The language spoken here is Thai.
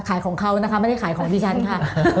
ขายของเขานะคะไม่ได้ขายของดิฉันค่ะ